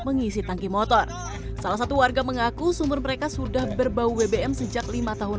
mengisi tangki motor salah satu warga mengaku sumur mereka sudah berbau bbm sejak lima tahun